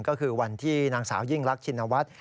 ก็คือวันที่นางสาวยิ่งรักชินวัฒน์